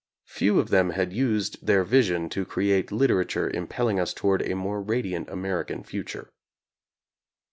Few of them had used their vision to create literature im pelling us toward a more radiant American future.